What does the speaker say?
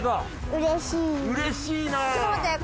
うれしいな。